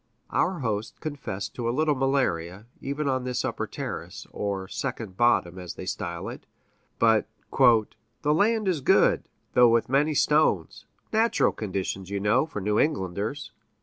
Our host confessed to a little malaria, even on this upper terrace or "second bottom," as they style it but "the land is good, though with many stones natural conditions, you know, for New Englanders."